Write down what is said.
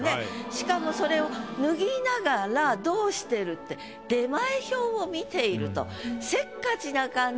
しかもそれを脱ぎながらどうしてるって出前表を見ていると。